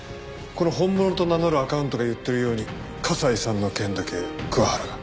この本物と名乗るアカウントが言ってるように笠井さんの件だけ桑原が。